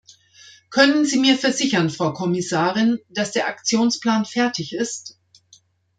Können Sie mir versichern, Frau Kommissarin, dass der Aktionsplan fertig ist?